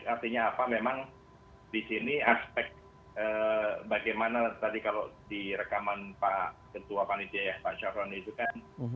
artinya apa memang di sini aspek bagaimana tadi kalau di rekaman pak ketua panitia ya pak syafroni itu kan